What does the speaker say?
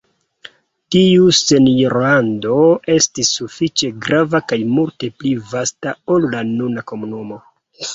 Tiu senjorlando estis sufiĉe grava kaj multe pli vasta ol la nuna komunumo.